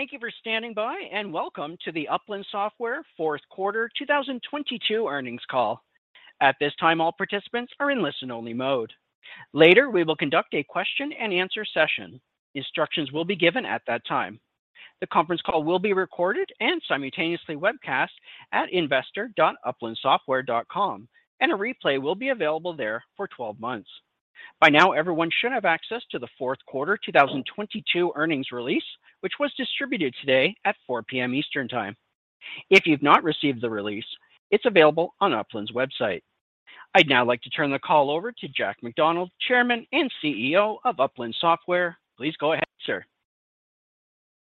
Thank you for standing by, and welcome to the Upland Software fourth quarter 2022 earnings call. At this time, all participants are in listen-only mode. Later, we will conduct a question and answer session. Instructions will be given at that time. The conference call will be recorded and simultaneously webcast at investor.uplandsoftware.com, and a replay will be available there for 12 months. By now, everyone should have access to the fourth quarter 2022 earnings release, which was distributed today at 4:00 P.M. Eastern Time. If you've not received the release, it's available on Upland's website. I'd now like to turn the call over to Jack McDonald, Chairman and CEO of Upland Software. Please go ahead, sir.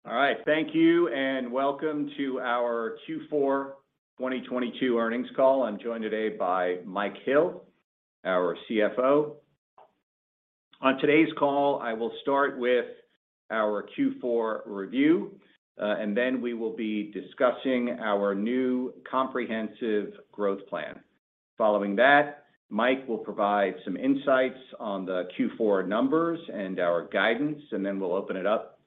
All right. Thank you, and welcome to our Q4 2022 earnings call. I'm joined today by Mike Hill, our CFO. On today's call, I will start with our Q4 review, and then we will be discussing our new comprehensive growth plan. Following that, Mike will provide some insights on the Q4 numbers and our guidance, and then we'll open it up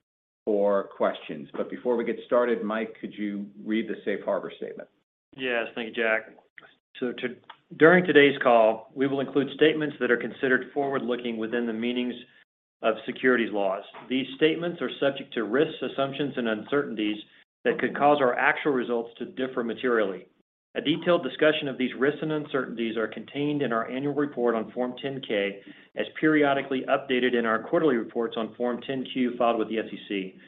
for questions. Before we get started, Mike, could you read the safe harbor statement? Yes. Thank you, Jack. During today's call, we will include statements that are considered forward-looking within the meanings of securities laws. These statements are subject to risks, assumptions, and uncertainties that could cause our actual results to differ materially. A detailed discussion of these risks and uncertainties are contained in our annual report on Form 10-K, as periodically updated in our quarterly reports on Form 10-Q filed with the SEC.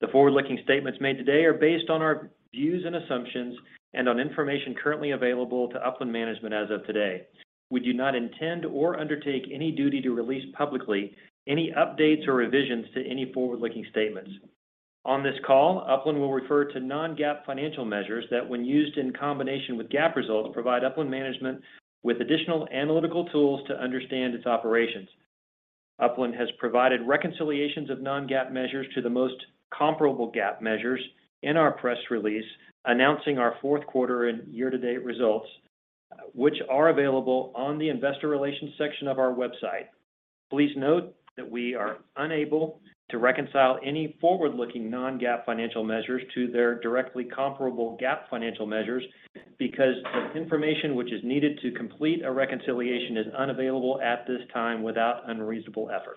The forward-looking statements made today are based on our views and assumptions and on information currently available to Upland management as of today. We do not intend or undertake any duty to release publicly any updates or revisions to any forward-looking statements. On this call, Upland will refer to non-GAAP financial measures that, when used in combination with GAAP results, provide Upland management with additional analytical tools to understand its operations. Upland has provided reconciliations of non-GAAP measures to the most comparable GAAP measures in our press release announcing our fourth quarter and year-to-date results, which are available on the investor relations section of our website. Please note that we are unable to reconcile any forward-looking non-GAAP financial measures to their directly comparable GAAP financial measures because the information which is needed to complete a reconciliation is unavailable at this time without unreasonable effort.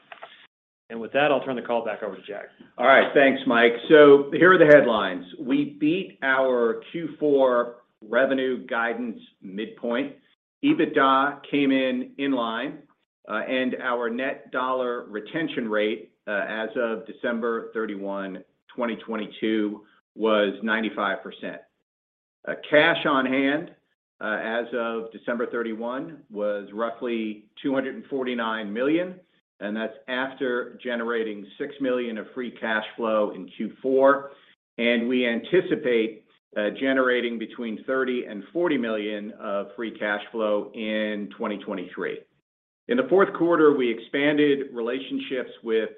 With that, I'll turn the call back over to Jack. All right. Thanks, Mike. Here are the headlines. We beat our Q4 revenue guidance midpoint. EBITDA came in in line, and our net dollar retention rate as of December 31, 2022 was 95%. cash on hand as of December 31 was roughly $249 million, and that's after generating $6 million of free cash flow in Q4, and we anticipate generating between $30 million and $40 million of free cash flow in 2023. In the fourth quarter, we expanded relationships with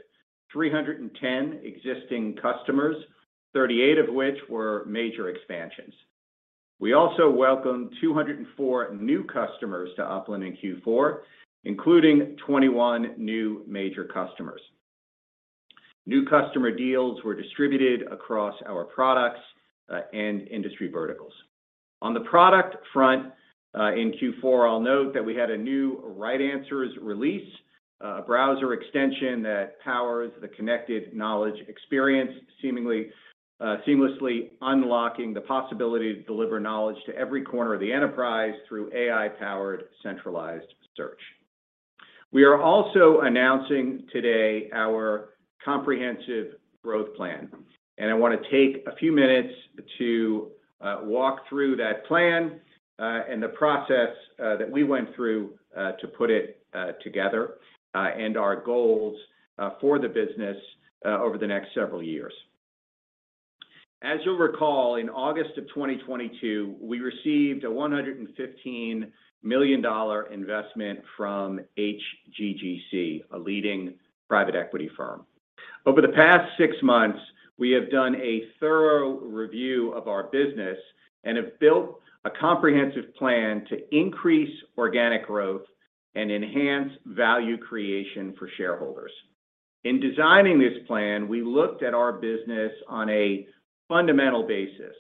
310 existing customers, 38 of which were major expansions. We also welcomed 204 new customers to Upland in Q4, including 21 new major customers. New customer deals were distributed across our products and industry verticals. On the product front, in Q4, I'll note that we had a new RightAnswers release, a browser extension that powers the connected knowledge experience, seamlessly unlocking the possibility to deliver knowledge to every corner of the enterprise through AI-powered centralized search. We are also announcing today our comprehensive growth plan. I want to take a few minutes to walk through that plan, and the process that we went through to put it together, and our goals for the business over the next several years. As you'll recall, in August of 2022, we received a $115 million investment from HGGC, a leading private equity firm. Over the past six months, we have done a thorough review of our business and have built a comprehensive plan to increase organic growth and enhance value creation for shareholders. In designing this plan, we looked at our business on a fundamental basis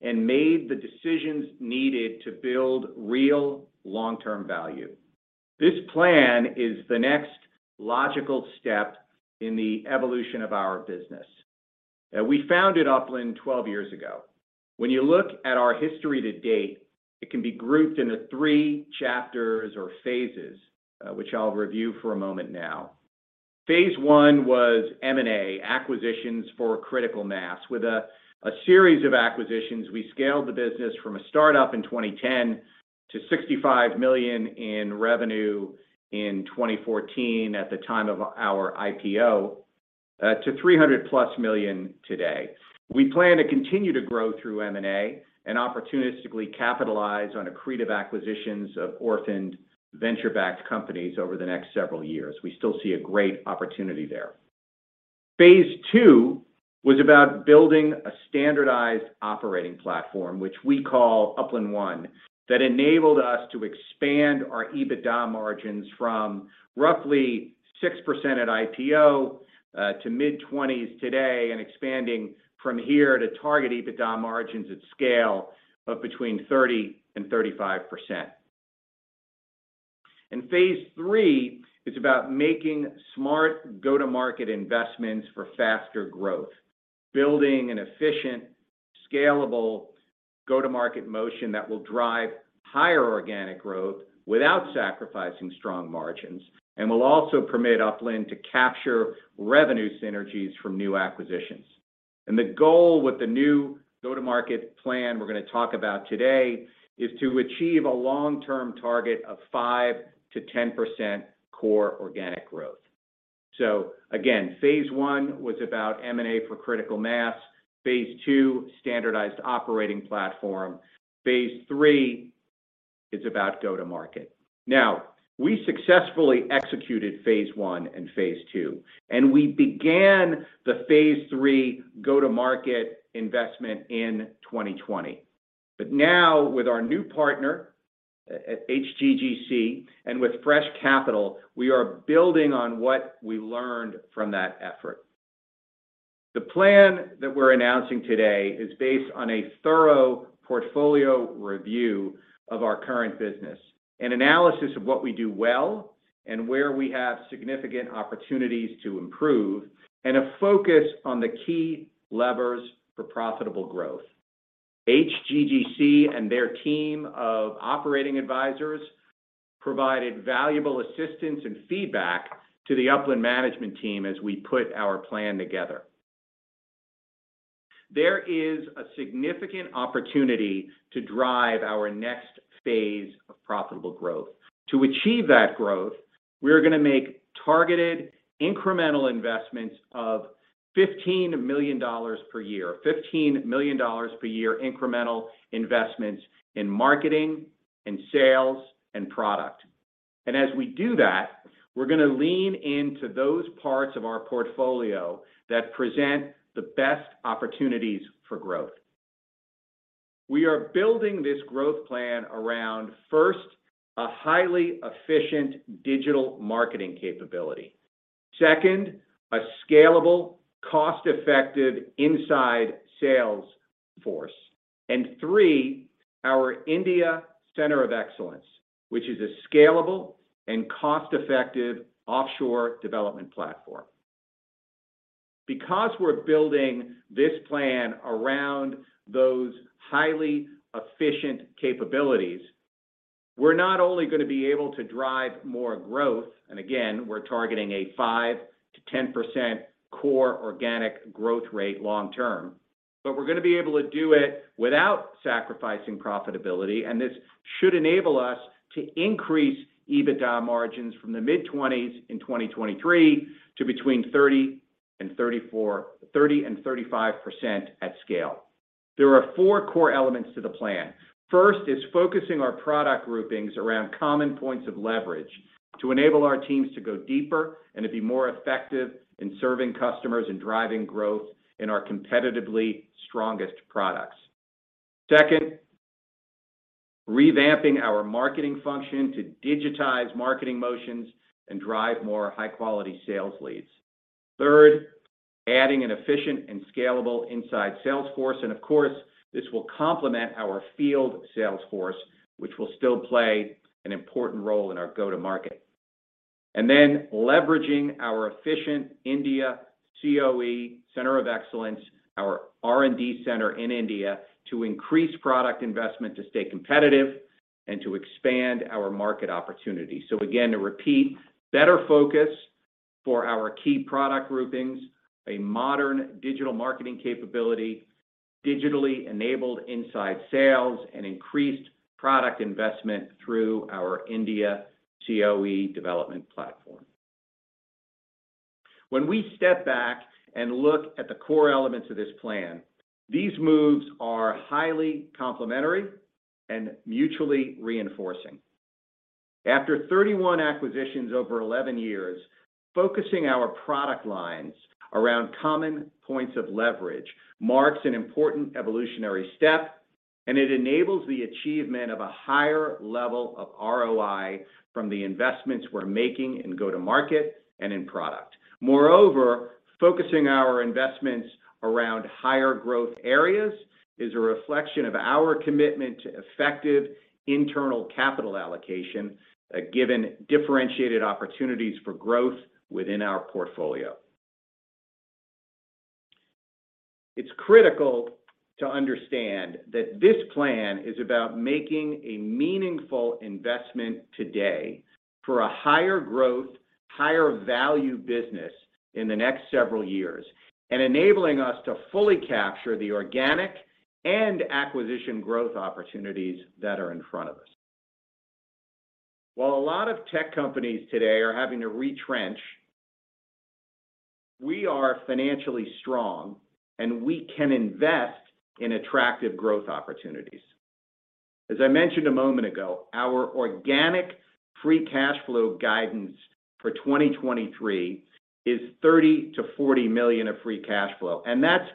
and made the decisions needed to build real long-term value. This plan is the next logical step in the evolution of our business. We founded Upland 12 years ago. When you look at our history to date, it can be grouped into 3 chapters or phases, which I'll review for a moment now. Phase 1 was M&A, acquisitions for critical mass. With a series of acquisitions, we scaled the business from a startup in 2010 to $65 million in revenue in 2014 at the time of our IPO, to $300+ million today. We plan to continue to grow through M&A and opportunistically capitalize on accretive acquisitions of orphaned venture-backed companies over the next several years. We still see a great opportunity there. Phase two was about building a standardized operating platform, which we call UplandOne, that enabled us to expand our EBITDA margins from roughly 6% at IPO to mid-twenties today and expanding from here to target EBITDA margins at scale of between 30% and 35%. Phase three is about making smart go-to-market investments for faster growth, building an efficient, scalable go-to-market motion that will drive higher organic growth without sacrificing strong margins, and will also permit Upland to capture revenue synergies from new acquisitions. The goal with the new go-to-market plan we're gonna talk about today is to achieve a long-term target of 5%-10% core organic growth. Again, phase one was about M&A for critical mass, phase two standardized operating platform, phase three is about go to market. We successfully executed phase one and phase two, and we began the phase three go-to-market investment in 2020. Now with our new partner, at HGGC, and with fresh capital, we are building on what we learned from that effort. The plan that we're announcing today is based on a thorough portfolio review of our current business, an analysis of what we do well and where we have significant opportunities to improve, and a focus on the key levers for profitable growth. HGGC and their team of operating advisors provided valuable assistance and feedback to the Upland management team as we put our plan together. There is a significant opportunity to drive our next phase of profitable growth. To achieve that growth, we are gonna make targeted incremental investments of $15 million per year. $15 million per year incremental investments in marketing and sales and product. As we do that, we're gonna lean into those parts of our portfolio that present the best opportunities for growth. We are building this growth plan around, first, a highly efficient digital marketing capability. Second, a scalable, cost-effective inside sales force. Three, our India Center of Excellence, which is a scalable and cost-effective offshore development platform. Because we're building this plan around those highly efficient capabilities, we're not only gonna be able to drive more growth, and again, we're targeting a 5%-10% core organic growth rate long term, but we're gonna be able to do it without sacrificing profitability, and this should enable us to increase EBITDA margins from the mid-20s in 2023 to between 30% and 34%... 30%-35% at scale. There are four core elements to the plan. First is focusing our product groupings around common points of leverage to enable our teams to go deeper and to be more effective in serving customers and driving growth in our competitively strongest products. Second, revamping our marketing function to digitize marketing motions and drive more high-quality sales leads. Third, adding an efficient and scalable inside sales force, of course, this will complement our field sales force, which will still play an important role in our go-to-market. Leveraging our efficient India COE, Center of Excellence, our R&D center in India, to increase product investment to stay competitive and to expand our market opportunity. Again, to repeat, better focus for our key product groupings, a modern digital marketing capability, digitally enabled inside sales, and increased product investment through our India COE development platform. When we step back and look at the core elements of this plan, these moves are highly complementary and mutually reinforcing. After 31 acquisitions over 11 years, focusing our product lines around common points of leverage marks an important evolutionary step, it enables the achievement of a higher level of ROI from the investments we're making in go-to-market and in product. Moreover, focusing our investments around higher growth areas is a reflection of our commitment to effective internal capital allocation, given differentiated opportunities for growth within our portfolio. It's critical to understand that this plan is about making a meaningful investment today for a higher growth, higher value business in the next several years, and enabling us to fully capture the organic and acquisition growth opportunities that are in front of us. While a lot of tech companies today are having to retrench, we are financially strong, and we can invest in attractive growth opportunities. As I mentioned a moment ago, our organic free cash flow guidance for 2023 is $30 million-$40 million of free cash flow, and that's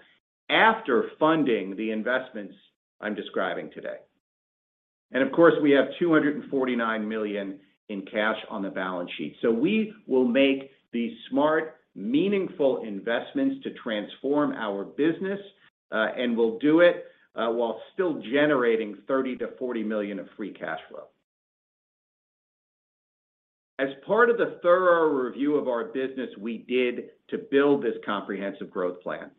after funding the investments I'm describing today. Of course, we have $249 million in cash on the balance sheet. We will make the smart, meaningful investments to transform our business, and we'll do it while still generating $30 million-$40 million of free cash flow. As part of the thorough review of our business we did to build this comprehensive growth plan,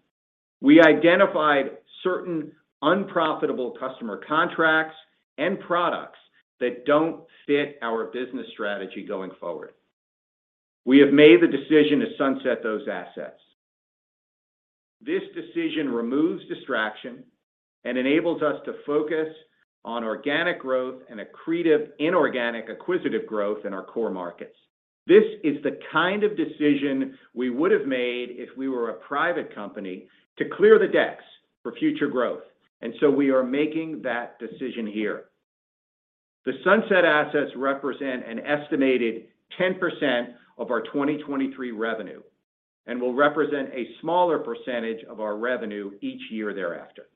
we identified certain unprofitable customer contracts and products that don't fit our business strategy going forward. We have made the decision to sunset those assets. This decision removes distraction and enables us to focus on organic growth and accretive inorganic acquisitive growth in our core markets. This is the kind of decision we would have made if we were a private company to clear the decks for future growth. We are making that decision here. The sunset assets represent an estimated 10% of our 2023 revenue and will represent a smaller percentage of our revenue each year thereafter.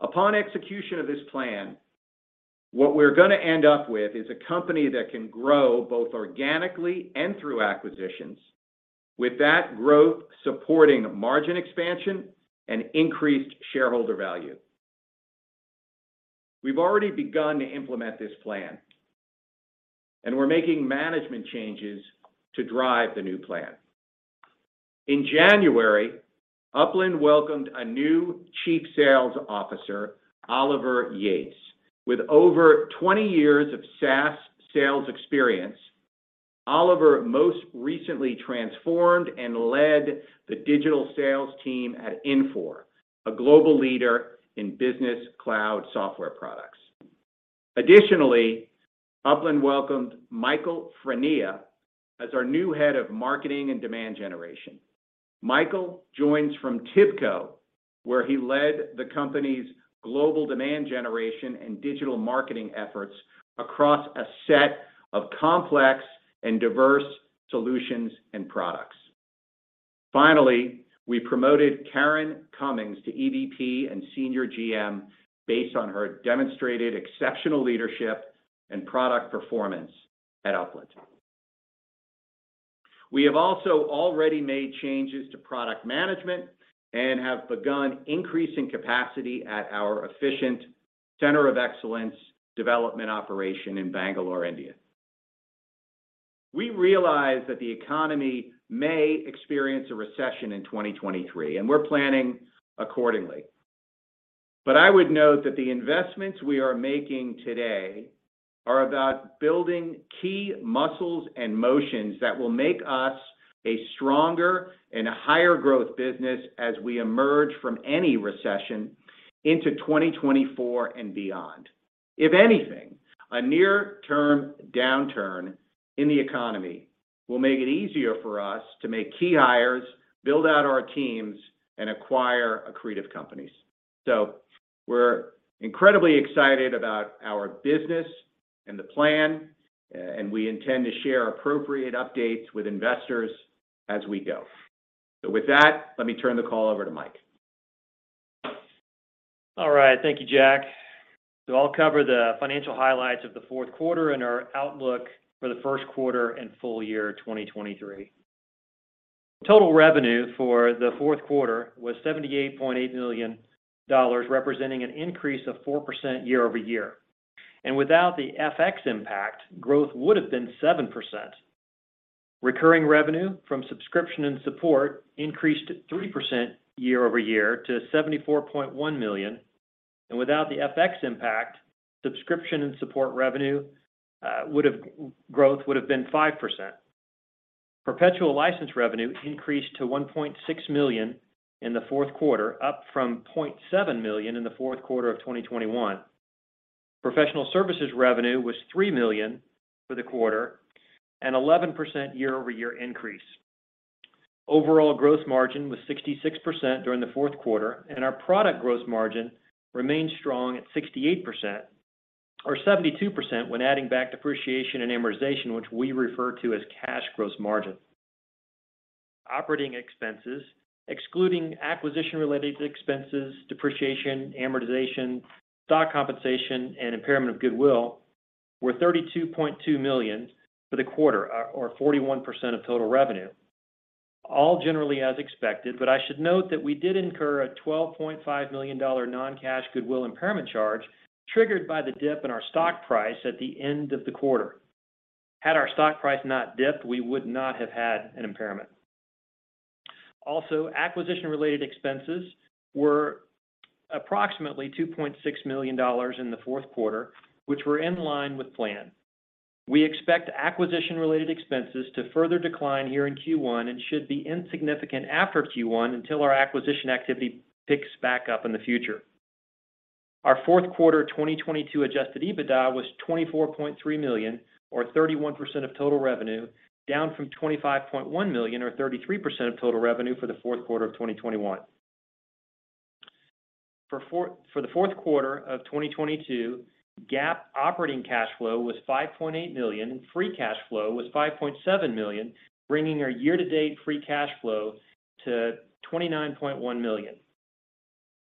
Upon execution of this plan, what we're gonna end up with is a company that can grow both organically and through acquisitions. With that growth supporting margin expansion and increased shareholder value. We've already begun to implement this plan, and we're making management changes to drive the new plan. In January, Upland welcomed a new Chief Sales Officer, Oliver Yates. With over 20 years of SaaS sales experience, Oliver most recently transformed and led the digital sales team at Infor, a global leader in business cloud software products. Additionally, Upland welcomed Michael Frannea as our new head of marketing and demand generation. Michael joins from TIBCO, where he led the company's global demand generation and digital marketing efforts across a set of complex and diverse solutions and products. Finally, we promoted Karen Cummings to EVP and Senior GM based on her demonstrated exceptional leadership and product performance at Upland. We have also already made changes to product management and have begun increasing capacity at our efficient Center of Excellence development operation in Bangalore, India. We realize that the economy may experience a recession in 2023, and we're planning accordingly. I would note that the investments we are making today are about building key muscles and motions that will make us a stronger and a higher growth business as we emerge from any recession into 2024 and beyond. If anything, a near-term downturn in the economy will make it easier for us to make key hires, build out our teams, and acquire accretive companies. We're incredibly excited about our business and the plan, and we intend to share appropriate updates with investors as we go. With that, let me turn the call over to Mike. All right. Thank you, Jack. I'll cover the financial highlights of the fourth quarter and our outlook for the first quarter and full year 2023. Total revenue for the fourth quarter was $78.8 million, representing an increase of 4% year-over-year. Without the FX impact, growth would have been 7%. Recurring revenue from subscription and support increased 3% year-over-year to $74.1 million. Without the FX impact, subscription and support revenue, growth would have been 5%. Perpetual license revenue increased to $1.6 million in the fourth quarter, up from $0.7 million in the fourth quarter of 2021. Professional services revenue was $3 million for the quarter and 11% year-over-year increase. Overall gross margin was 66% during the fourth quarter, and our product gross margin remained strong at 68% or 72% when adding back depreciation and amortization, which we refer to as cash gross margin. Operating expenses, excluding acquisition-related expenses, depreciation, amortization, stock compensation, and impairment of goodwill, were $32.2 million for the quarter or 41% of total revenue, all generally as expected. I should note that we did incur a $12.5 million non-cash goodwill impairment charge triggered by the dip in our stock price at the end of the quarter. Had our stock price not dipped, we would not have had an impairment. Acquisition-related expenses were approximately $2.6 million in the fourth quarter, which were in line with plan. We expect acquisition-related expenses to further decline here in Q1 and should be insignificant after Q1 until our acquisition activity picks back up in the future. Our fourth quarter 2022 adjusted EBITDA was $24.3 million or 31% of total revenue, down from $25.1 million or 33% of total revenue for the fourth quarter of 2021. For the fourth quarter of 2022, GAAP operating cash flow was $5.8 million, free cash flow was $5.7 million, bringing our year-to-date free cash flow to $29.1 million.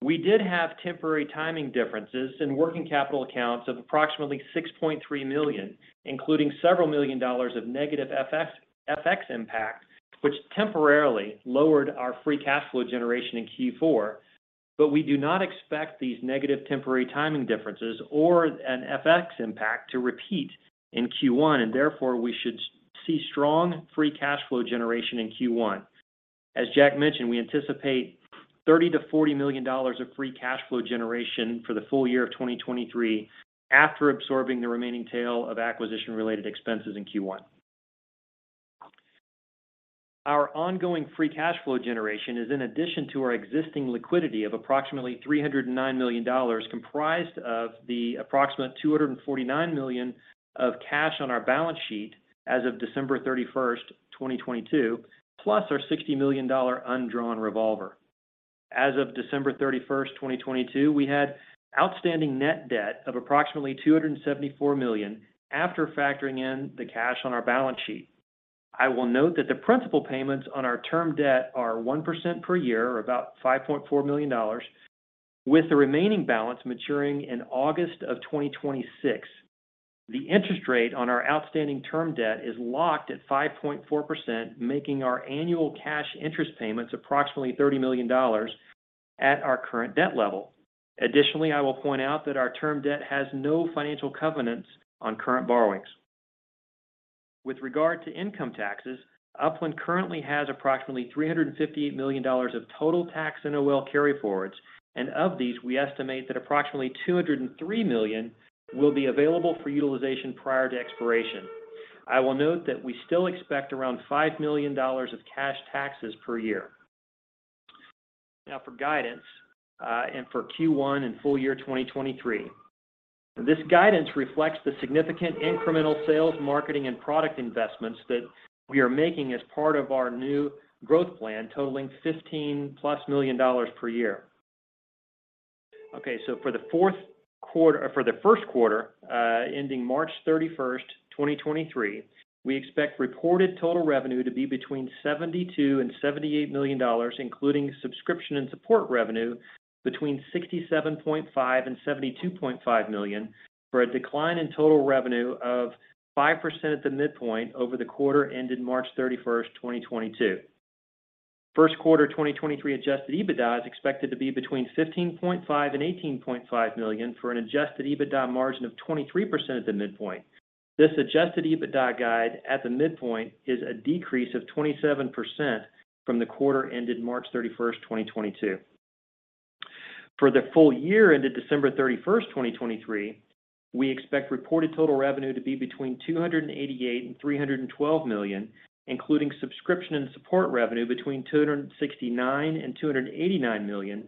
We did have temporary timing differences in working capital accounts of approximately $6.3 million, including several million dollars of negative FX impact, which temporarily lowered our free cash flow generation in Q4. We do not expect these negative temporary timing differences or an FX impact to repeat in Q1, and therefore we should see strong free cash flow generation in Q1. As Jack mentioned, we anticipate $30 million-$40 million of free cash flow generation for the full year of 2023 after absorbing the remaining tail of acquisition-related expenses in Q1. Our ongoing free cash flow generation is in addition to our existing liquidity of approximately $309 million, comprised of the approximate $249 million of cash on our balance sheet as of December 31, 2022, plus our $60 million undrawn revolver. As of December 31, 2022, we had outstanding net debt of approximately $274 million after factoring in the cash on our balance sheet. I will note that the principal payments on our term debt are 1% per year, or about $5.4 million, with the remaining balance maturing in August of 2026. The interest rate on our outstanding term debt is locked at 5.4%, making our annual cash interest payments approximately $30 million at our current debt level. I will point out that our term debt has no financial covenants on current borrowings. With regard to income taxes, Upland currently has approximately $358 million of total tax and NOL carryforwards. Of these, we estimate that approximately $203 million will be available for utilization prior to expiration. I will note that we still expect around $5 million of cash taxes per year. For guidance, for Q1 and full year 2023. This guidance reflects the significant incremental sales, marketing, and product investments that we are making as part of our new growth plan, totaling $15+ million per year. For the first quarter, ending March 31, 2023, we expect reported total revenue to be between $72 million and $78 million, including subscription and support revenue between $67.5 million and $72.5 million, for a decline in total revenue of 5% at the midpoint over the quarter ended March 31, 2022. First quarter 2023 adjusted EBITDA is expected to be between $15.5 million and $18.5 million, for an adjusted EBITDA margin of 23% at the midpoint. This adjusted EBITDA guide at the midpoint is a decrease of 27% from the quarter ended March 31, 2022. For the full year ended December 31st, 2023, we expect reported total revenue to be between $288 million and $312 million, including subscription and support revenue between $269 million and $289 million,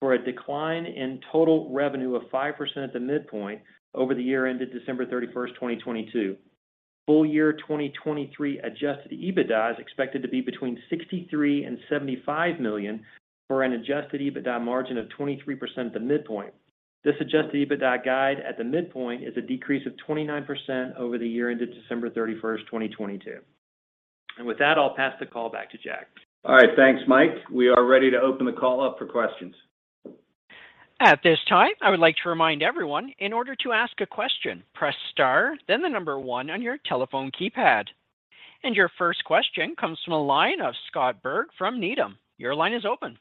for a decline in total revenue of 5% at the midpoint over the year ended December 31st, 2022. Full year 2023 adjusted EBITDA is expected to be between $63 million and $75 million, for an adjusted EBITDA margin of 23% at the midpoint. This adjusted EBITDA guide at the midpoint is a decrease of 29% over the year ended December 31st, 2022. With that, I'll pass the call back to Jack. All right. Thanks, Mike. We are ready to open the call up for questions. At this time, I would like to remind everyone, in order to ask a question, press star, then the 1 on your telephone keypad. Your first question comes from the line of Scott Berg from Needham. Your line is open.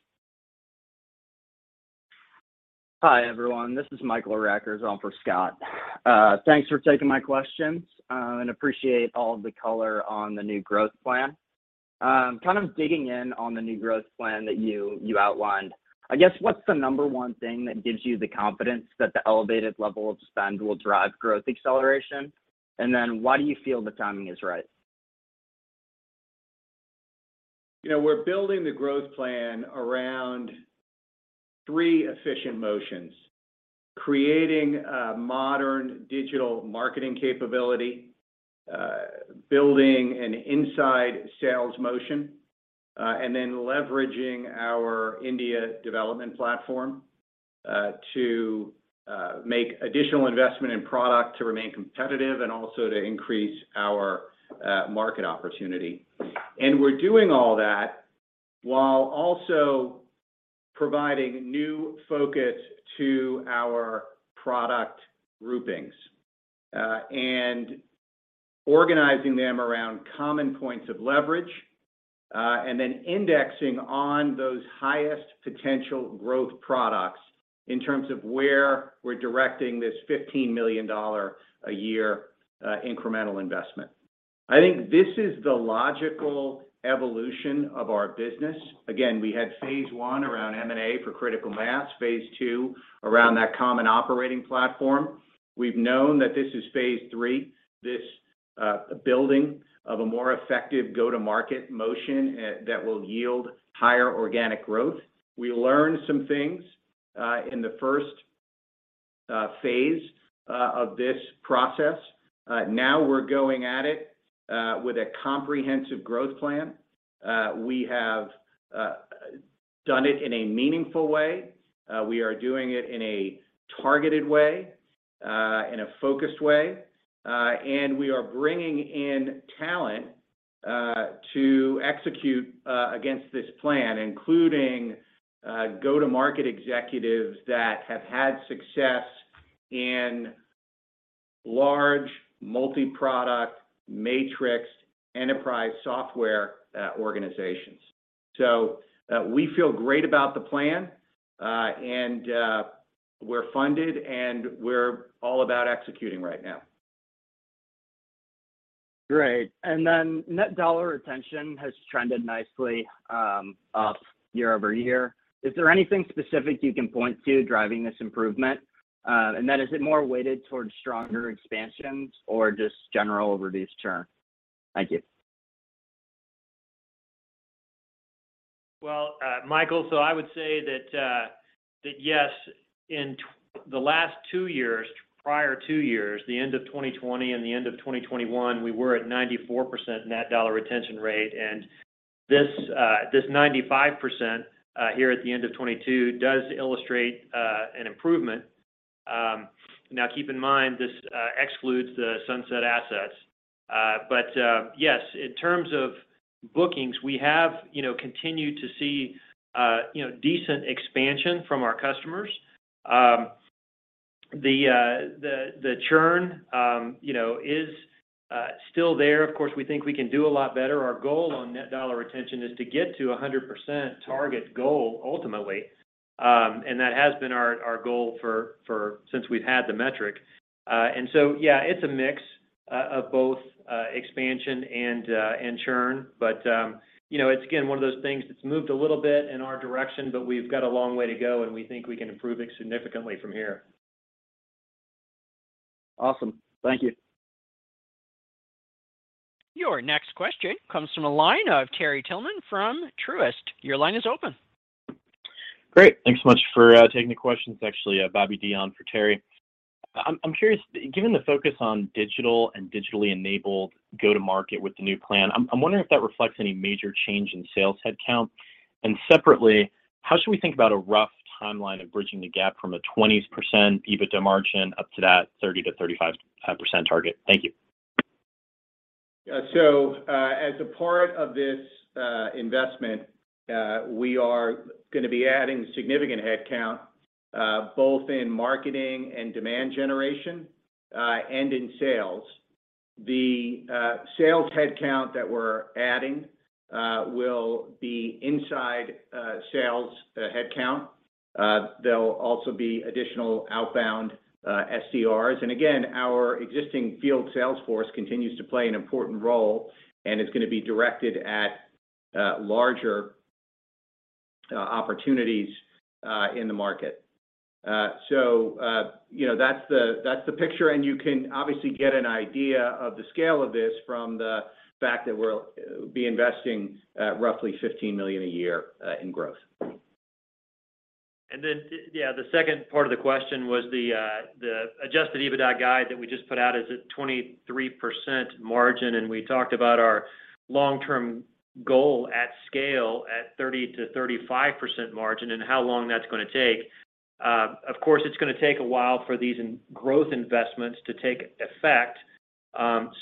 Hi, everyone. This is Michael Rackers on for Scott Berg. Thanks for taking my questions and appreciate all of the color on the new growth plan. Kind of digging in on the new growth plan that you outlined, I guess what's the number one thing that gives you the confidence that the elevated level of spend will drive growth acceleration? Why do you feel the timing is right? You know, we're building the growth plan around three efficient motions: creating a modern digital marketing capability, building an inside sales motion, and then leveraging our India development platform, to make additional investment in product to remain competitive and also to increase our market opportunity. We're doing all that while also providing new focus to our product groupings, and organizing them around common points of leverage, and then indexing on those highest potential growth products in terms of where we're directing this $15 million a year, incremental investment. I think this is the logical evolution of our business. Again, we had phase one around M&A for critical mass, phase two around that common operating platform. We've known that this is phase three, this, building of a more effective go-to-market motion, that will yield higher organic growth. We learned some things, in the first phase of this process. Now we're going at it with a comprehensive growth plan. We have done it in a meaningful way. We are doing it in a targeted way, in a focused way. We are bringing in talent to execute against this plan, including go-to-market executives that have had success in large multi-product matrix enterprise software organizations. We feel great about the plan, and we're funded, and we're all about executing right now. Great. Net dollar retention has trended nicely, up year-over-year. Is there anything specific you can point to driving this improvement? Is it more weighted towards stronger expansions or just general reduced churn? Thank you. Michael, I would say that yes, in the last 2 years, prior 2 years, the end of 2020 and the end of 2021, we were at 94% net dollar retention rate. This 95%, here at the end of 2022, does illustrate an improvement. Now keep in mind, this excludes the sunset assets. Yes, in terms of bookings, we have, you know, continued to see, you know, decent expansion from our customers. The churn, you know, is still there. Of course, we think we can do a lot better. Our goal on net dollar retention is to get to a 100% target goal ultimately. That has been our goal since we've had the metric. Yeah, it's a mix of both, expansion and churn. You know, it's again, one of those things that's moved a little bit in our direction, but we've got a long way to go, and we think we can improve it significantly from here. Awesome. Thank you. Your next question comes from the line of Terry Tillman from Truist. Your line is open. Great. Thanks so much for taking the questions. Actually, Bobby Dee for Terry. I'm curious, given the focus on digital and digitally enabled go-to-market with the new plan, I'm wondering if that reflects any major change in sales headcount. Separately, how should we think about a rough timeline of bridging the gap from a 20% EBITDA margin up to that 30%-35% target? Thank you. As a part of this investment, we are gonna be adding significant headcount, both in marketing and demand generation, and in sales. The sales headcount that we're adding will be inside sales headcount. There'll also be additional outbound SDRs. Again, our existing field sales force continues to play an important role, and it's gonna be directed at larger opportunities in the market. You know, that's the, that's the picture, and you can obviously get an idea of the scale of this from the fact that we're be investing roughly $15 million a year in growth. Yeah, the second part of the question was the adjusted EBITDA guide that we just put out is at 23% margin, and we talked about our long-term goal at scale at 30%-35% margin and how long that's gonna take. Of course, it's gonna take a while for these growth investments to take effect.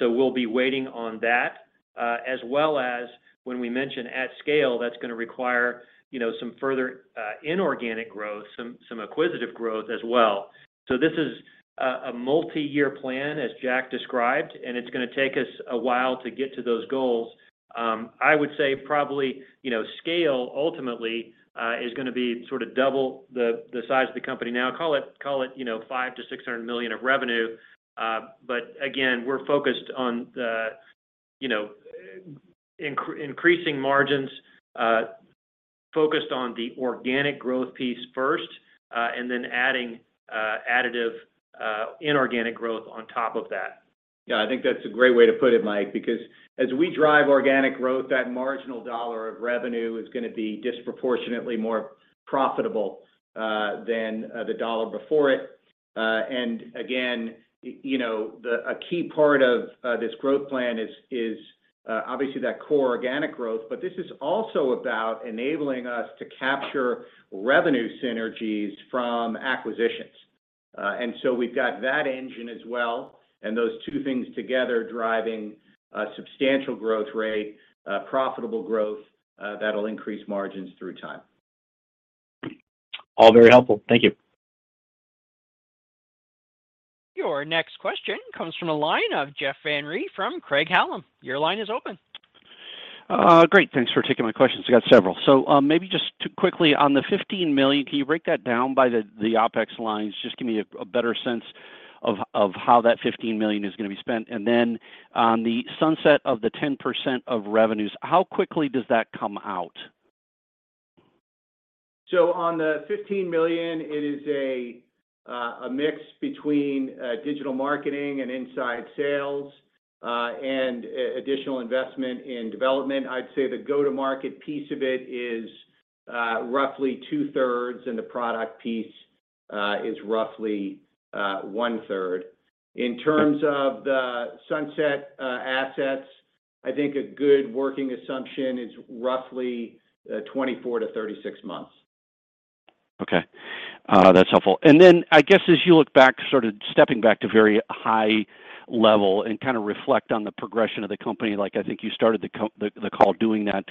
We'll be waiting on that. As well as when we mention at scale, that's gonna require, you know, some further inorganic growth, some acquisitive growth as well. This is a multi-year plan, as Jack described, and it's gonna take us a while to get to those goals. I would say probably, you know, scale ultimately is gonna be sort of double the size of the company now. Call it, you know, $500 million-$600 million of revenue. Again, we're focused on the, you know, increasing margins, focused on the organic growth piece first, then adding, additive, inorganic growth on top of that. Yeah. I think that's a great way to put it, Mike, because as we drive organic growth, that marginal dollar of revenue is gonna be disproportionately more profitable, than the dollar before it. Again, you know, a key part of this growth plan is obviously that core organic growth, but this is also about enabling us to capture revenue synergies from acquisitions. We've got that engine as well, and those two things together driving a substantial growth rate, profitable growth, that'll increase margins through time. All very helpful. Thank you. Your next question comes from the line of Jeff Van Rhee from Craig-Hallum. Your line is open. Great. Thanks for taking my questions. I got several. Maybe just quickly on the $15 million, can you break that down by the OpEx lines? Just give me a better sense of how that $15 million is gonna be spent. On the sunset of the 10% of revenues, how quickly does that come out? On the $15 million, it is a mix between digital marketing and inside sales and additional investment in development. I'd say the go-to-market piece of it roughly two-thirds in the product piece is roughly one-third. In terms of the sunset assets, I think a good working assumption is roughly 24-36 months. Okay. That's helpful. I guess as you look back, sort of stepping back to very high level and kind of reflect on the progression of the company, like I think you started the call doing that.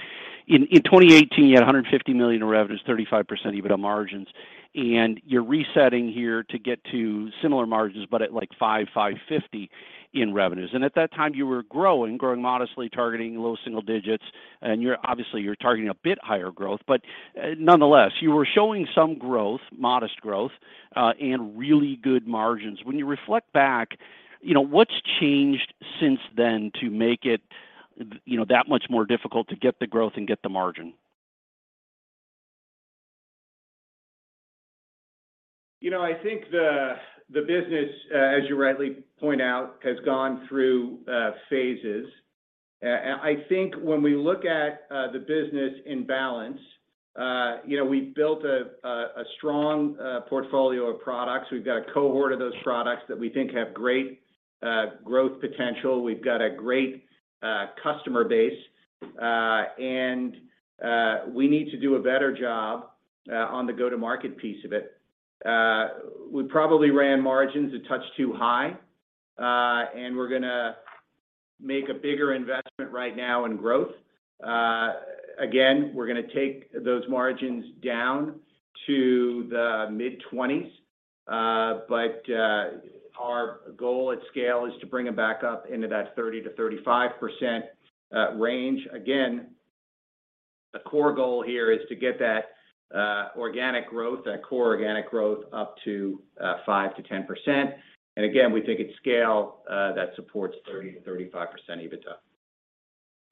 In 2018, you had $150 million in revenues, 35% EBITDA margins. You're resetting here to get to similar margins but at like $500 million-$550 million in revenues. At that time you were growing modestly, targeting low single digits, and you're obviously targeting a bit higher growth. Nonetheless, you were showing modest growth, and really good margins. When you reflect back, you know, what's changed since then to make it, you know, that much more difficult to get the growth and get the margin? You know, I think the business, as you rightly point out, has gone through phases. I think when we look at the business in balance, you know, we built a strong portfolio of products. We've got a cohort of those products that we think have great growth potential. We've got a great customer base. We need to do a better job on the go-to-market piece of it. We probably ran margins a touch too high. We're gonna make a bigger investment right now in growth. Again, we're gonna take those margins down to the mid-20s. Our goal at scale is to bring them back up into that 30%-35% range. Again, the core goal here is to get that, organic growth, that core organic growth up to, 5%-10%. Again, we think at scale, that supports 30%-35% EBITDA.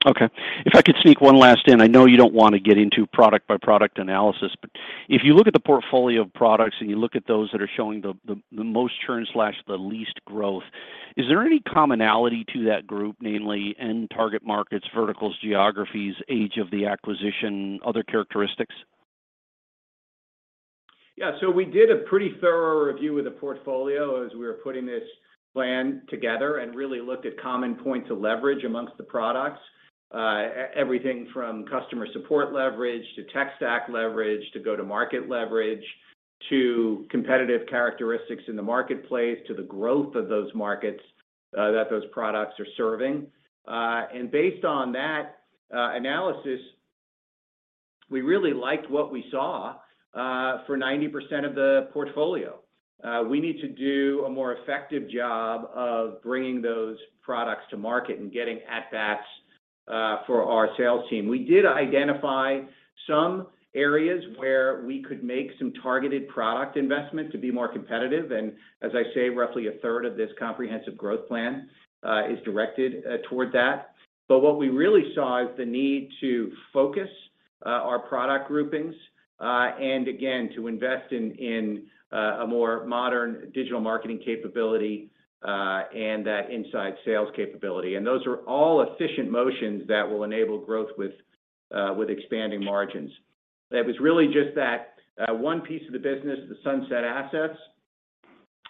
Okay. If I could sneak one last in. I know you don't wanna get into product-by-product analysis, but if you look at the portfolio of products and you look at those that are showing the most churn/the least growth, is there any commonality to that group, namely end target markets, verticals, geographies, age of the acquisition, other characteristics? We did a pretty thorough review of the portfolio as we were putting this plan together and really looked at common points of leverage amongst the products. Everything from customer support leverage to tech stack leverage, to go-to-market leverage, to competitive characteristics in the marketplace, to the growth of those markets that those products are serving. Based on that analysis, we really liked what we saw for 90% of the portfolio. We need to do a more effective job of bringing those products to market and getting at-bats for our sales team. We did identify some areas where we could make some targeted product investments to be more competitive, and as I say, roughly a third of this comprehensive growth plan is directed toward that. What we really saw is the need to focus, our product groupings, and again, to invest in a more modern digital marketing capability, and that inside sales capability. Those are all efficient motions that will enable growth with expanding margins. It was really just that, one piece of the business, the sunset assets,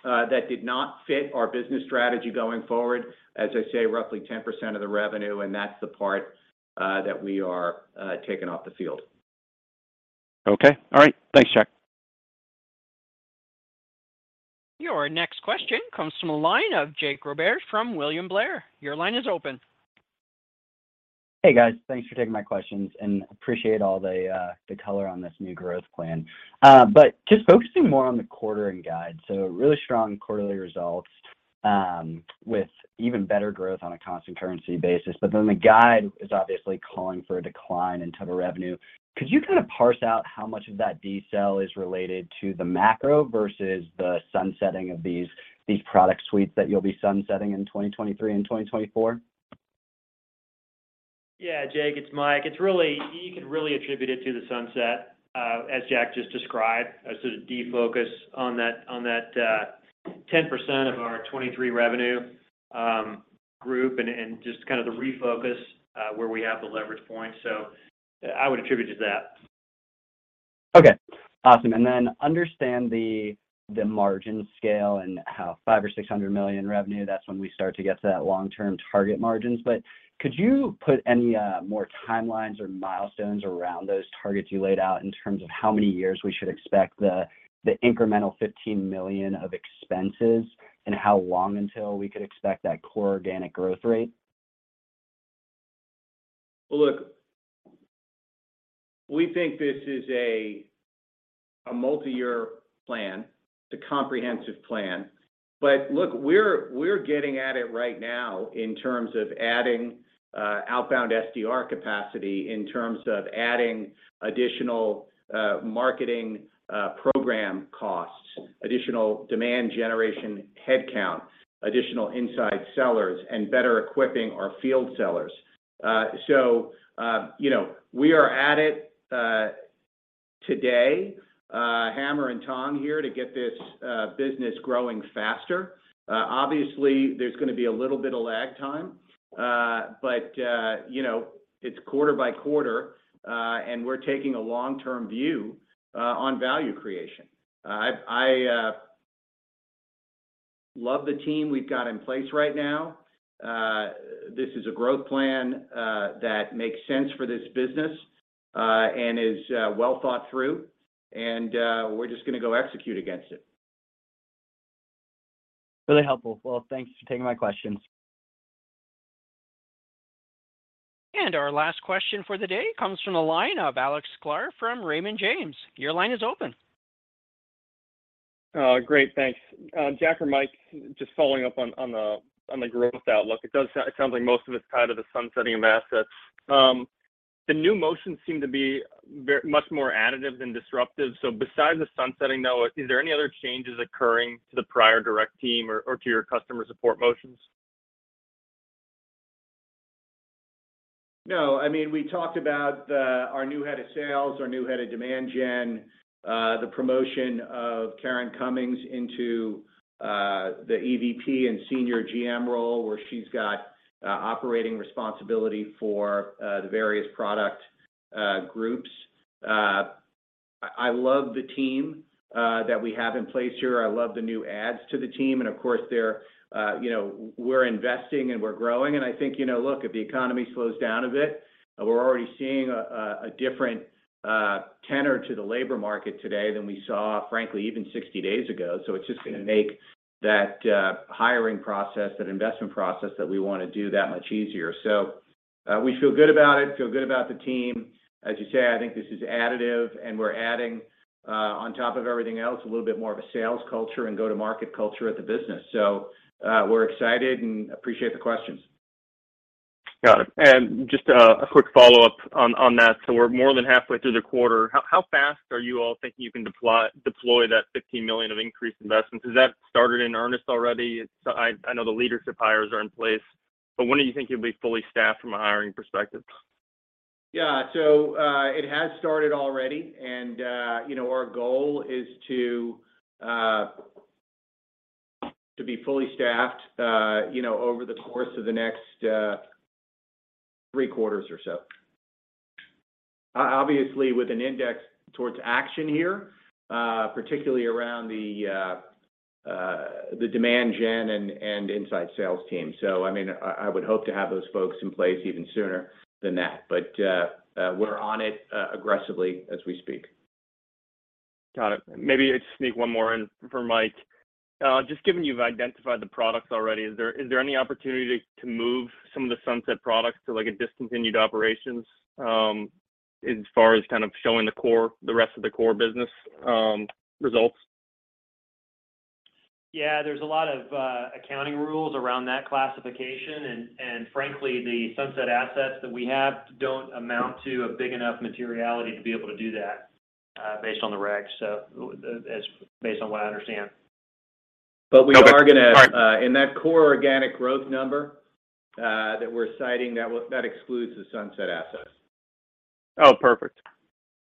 that did not fit our business strategy going forward. As I say, roughly 10% of the revenue, and that's the part that we are taking off the field. Okay. All right. Thanks, Jack. Your next question comes from the line of Jake Roberge from William Blair. Your line is open. Hey, guys. Thanks for taking my questions and appreciate all the color on this new growth plan. Just focusing more on the quarter and guide. Really strong quarterly results with even better growth on a constant currency basis. The guide is obviously calling for a decline in total revenue. Could you kind of parse out how much of that decel is related to the macro versus the sunsetting of these product suites that you'll be sunsetting in 2023 and 2024? Jake Roberge, it's Mike. You could really attribute it to the sunset, as Jack just described, a sort of defocus on that 10% of our 23 revenue group and just kind of the refocus where we have the leverage points. I would attribute it to that. Okay. Awesome. Understand the margin scale and how $500 million or $600 million revenue, that's when we start to get to that long-term target margins. Could you put any more timelines or milestones around those targets you laid out in terms of how many years we should expect the incremental $15 million of expenses and how long until we could expect that core organic growth rate? Look, we think this is a multiyear plan, it's a comprehensive plan. Look, we're getting at it right now in terms of adding outbound SDR capacity, in terms of adding additional marketing program costs, additional demand generation headcount, additional inside sellers, and better equipping our field sellers. You know, we are at it today, hammer and tong here to get this business growing faster. Obviously, there's gonna be a little bit of lag time, you know, it's quarter by quarter, we're taking a long-term view on value creation. Love the team we've got in place right now. This is a growth plan that makes sense for this business and is well thought through, we're just gonna go execute against it. Really helpful. Well, thanks for taking my questions. Our last question for the day comes from the line ofAlex Sklar from Raymond James. Your line is open. Oh, great. Thanks. Jack or Mike, just following up on the growth outlook. It sounds like most of it's tied to the sunsetting of assets. The new motions seem to be very much more additive than disruptive. Besides the sunsetting now, is there any other changes occurring to the prior direct team or to your customer support motions? No. I mean, we talked about the, our new head of sales, our new head of demand gen, the promotion of Karen Cummings into the EVP and Senior GM role, where she's got operating responsibility for the various product groups. I love the team that we have in place here. I love the new adds to the team, of course there, you know, we're investing and we're growing. I think, you know, look, if the economy slows down a bit, we're already seeing a different tenor to the labor market today than we saw frankly even 60 days ago. It's just gonna make that hiring process, that investment process that we wanna do that much easier. We feel good about it, feel good about the team. As you say, I think this is additive, and we're adding, on top of everything else, a little bit more of a sales culture and go-to-market culture at the business. We're excited and appreciate the questions. Got it. Just a quick follow-up on that. We're more than halfway through the quarter. How fast are you all thinking you can deploy that $15 million of increased investments? Has that started in earnest already? I know the leadership hires are in place, but when do you think you'll be fully staffed from a hiring perspective? Yeah. It has started already and, you know, our goal is to be fully staffed, you know, over the course of the next 3 quarters or so. Obviously with an index towards action here, particularly around the demand gen and inside sales team. I mean, I would hope to have those folks in place even sooner than that. We're on it, aggressively as we speak. Got it. Maybe I'll just sneak one more in for Mike. Just given you've identified the products already, is there any opportunity to move some of the sunset products to like a discontinued operations, as far as kind of showing the core, the rest of the core business, results? Yeah. There's a lot of accounting rules around that classification and frankly, the sunset assets that we have don't amount to a big enough materiality to be able to do that, based on the rec. As based on what I understand. We are. Okay. Sorry.... in that core organic growth number, that we're citing that excludes the sunset assets. Oh, perfect.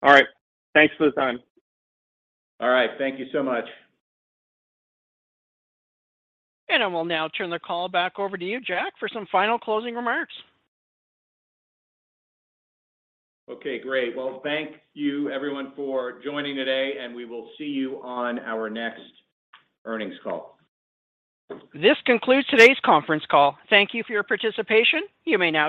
All right. Thanks for the time. All right. Thank you so much. I will now turn the call back over to you, Jack, for some final closing remarks. Okay. Great. Well, thank you everyone for joining today, and we will see you on our next earnings call. This concludes today's conference call. Thank you for your participation. You may now disconnect.